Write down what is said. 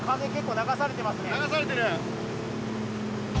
流されてる？